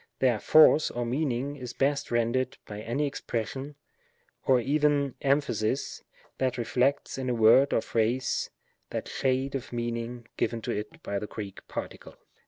Their force or meaning is best rendered by any expression, or even emphasis, that reflects in a word or phrase, that shade of meaning given to it by the Greek particle.